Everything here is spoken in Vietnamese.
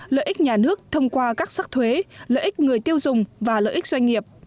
lợi ích nhà nước thông qua các sắc thuế lợi ích người tiêu dùng và lợi ích doanh nghiệp